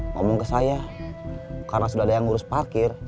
ngomong ke saya karena sudah ada yang ngurus parkir